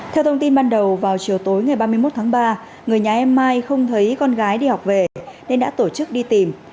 theo thông tin ban đầu vào chiều tối ngày ba mươi một tháng ba người nhà em mai không thấy con gái đi học về nên đã tổ chức đi tìm